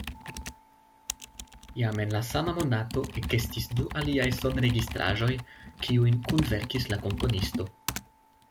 Jam en la sama monato ekestis du aliaj sonregistraĵoj, kiujn kunverkis la komponisto.